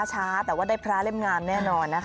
ช้าแต่ว่าได้พระเล่มงามแน่นอนนะคะ